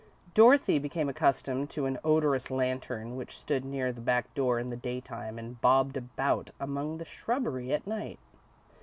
Dorothy became accustomed to an odorous lantern which stood near the back door in the daytime and bobbed about among the shrubbery at night.